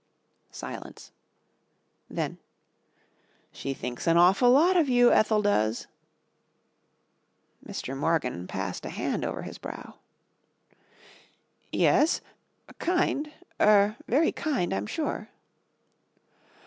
Silence. Then, "She thinks an awful lot of you, Ethel does." Mr. Morgan passed a hand over his brow. "Yes? Kind er very kind, I'm sure."